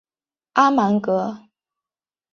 阿芒格。